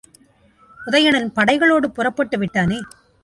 உதயணன் படைகளோடு புறப்பட்டு விட்டானே!